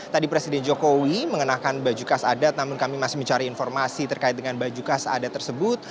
tadi presiden jokowi mengenakan baju khas adat namun kami masih mencari informasi terkait dengan baju khas adat tersebut